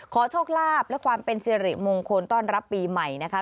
ขอโชคลาภและความเป็นสิริมงคลต้อนรับปีใหม่นะคะ